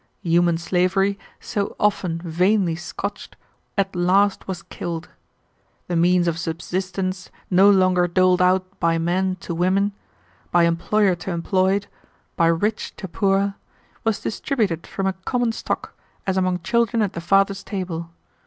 Human slavery, so often vainly scotched, at last was killed. The means of subsistence no longer doled out by men to women, by employer to employed, by rich to poor, was distributed from a common stock as among children at the father's table.